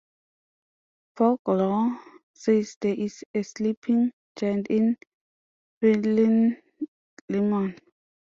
Folklore says there is a sleeping giant in Plynlimon.